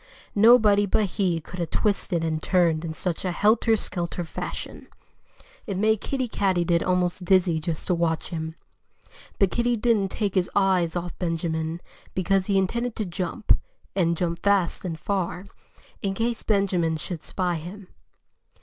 Nobody but he could have twisted and turned in such a helter skelter fashion. It made Kiddie Katydid almost dizzy just to watch him. But Kiddie didn't take his eyes off Benjamin, because he intended to jump and jump fast and far in case Benjamin should spy him.